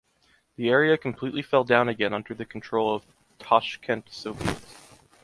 The area completely fell down again under the control of Tachkent soviet.